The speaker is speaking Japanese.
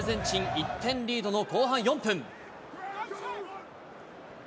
１点リードの後半４分。